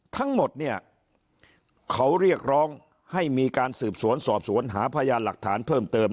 ทั้งหมดเนี่ยเขาเรียกร้องให้มีการสืบสวนสอบสวนหาพยานหลักฐานเพิ่มเติม